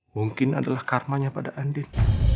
mungkin adalah karmanya pada andik